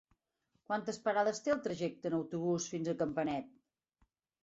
Quantes parades té el trajecte en autobús fins a Campanet?